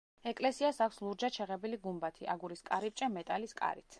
ეკლესიას აქვს ლურჯად შეღებილი გუმბათი, აგურის კარიბჭე მეტალის კარით.